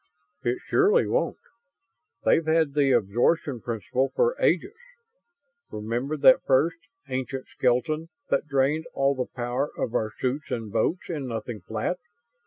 "It surely won't. They've had the absorption principle for ages. Remember that first, ancient skeleton that drained all the power of our suits and boats in nothing flat?